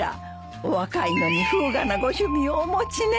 お若いのに風雅なご趣味をお持ちね。